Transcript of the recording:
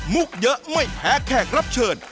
เยอะไม่แพ้แขกรับเชิญ